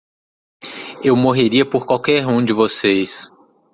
Eu morreria por qualquer um de vocês.